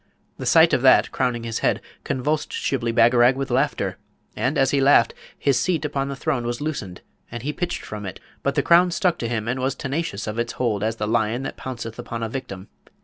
The sight of that crowning his head convulsed Shibli Bagarag with laughter, and, as he laughed, his seat upon the throne was loosened, and he pitched from it, but the crown stuck to him and was tenacious of its hold as the lion that pounceth upon a victim.